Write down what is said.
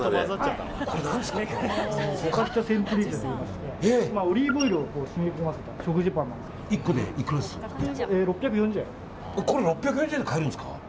フォカッチャ・センプリーチェといいましてオリーブオイルを染み込ませたこれ６４０円で買えるんですか。